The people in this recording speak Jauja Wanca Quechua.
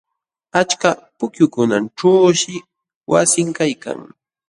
Achka pukyukunaćhuushi wasin kaykan.